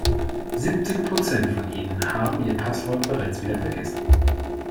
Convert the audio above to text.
Siebzig Prozent von Ihnen haben ihr Passwort bereits wieder vergessen.